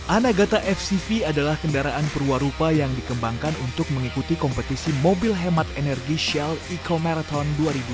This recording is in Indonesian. anagata fcv adalah kendaraan perwarupa yang dikembangkan untuk mengikuti kompetisi mobil hemat energi shell eco marathon dua ribu dua puluh